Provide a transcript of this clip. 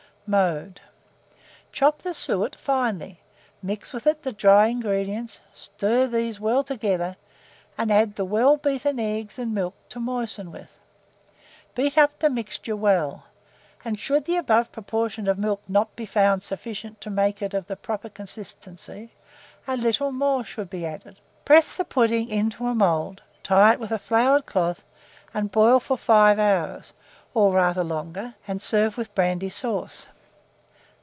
] Mode. Chop the suet finely; mix with it the dry ingredients; stir these well together, and add the well beaten eggs and milk to moisten with. Beat up the mixture well, and should the above proportion of milk not be found sufficient to make it of the proper consistency, a little more should be added. Press the pudding into a mould, tie it in a floured cloth, and boil for 5 hours, or rather longer, and serve with brandy sauce.